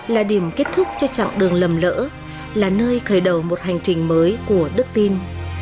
là điểm kết thúc cho chặng đường lầm lỡ là nơi khởi đầu một hành trình mới của đức tin